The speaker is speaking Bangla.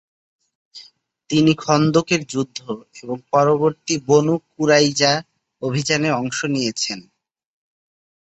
তিনি খন্দকের যুদ্ধ এবং পরবর্তী বনু কুরাইজা অভিযানে অংশ নিয়েছেন।